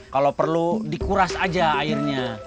kalau perlu dikuras aja airnya